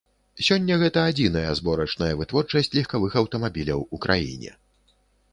Сёння гэта адзіная зборачная вытворчасць легкавых аўтамабіляў у краіне.